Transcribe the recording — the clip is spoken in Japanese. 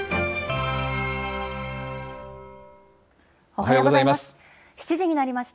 おはようございます。